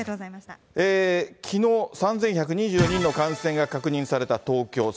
きのう、３１２４人の感染が確認された東京。